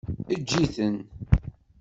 Eǧǧ-iten.